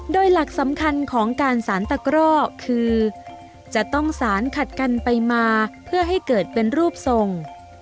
โดยหลักสำคัญของการสารตะกร่อคือจะต้องสารขัดกันไปมาเพื่อให้เกิดเป็นรูปทรง